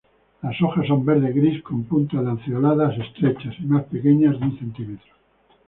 Las hojas son verde-gris con puntos, lanceoladas, estrechas y más pequeñas de un centímetro.